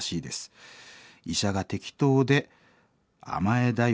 医者が適当で甘えだよ